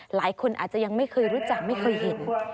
หลายคนอาจจะยังไม่เคยรู้จักไม่เคยเห็น